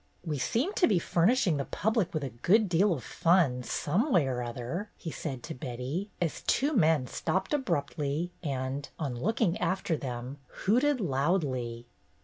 "We seem to be furnishing the public with a good deal of fun, some way or other," he said to Betty, as two men stopped abruptly and, on looking after them, hooted loudly.